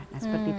nah seperti itu